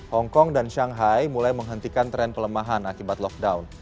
hongkong dan shanghai mulai menghentikan tren pelemahan akibat lockdown